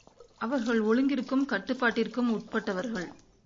அவர்கள் ஒழுங்கிற்கும் கட்டுப்பாட்டிற்கும் உட்பட்டவர்கள்.